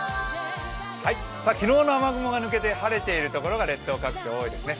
昨日の雨雲が抜けて晴れている所が列島各地、多いですね。